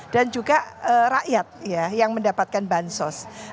dan juga rakyat yang mendapatkan bansos